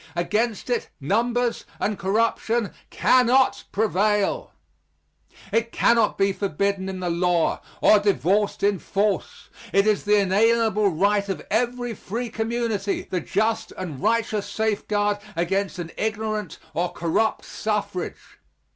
Against it, numbers and corruption cannot prevail. It cannot be forbidden in the law, or divorced in force. It is the inalienable right of every free community the just and righteous safeguard against an ignorant or corrupt suffrage.